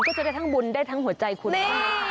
ก็จะได้ทั้งบุญได้ทั้งหัวใจคุณค่ะ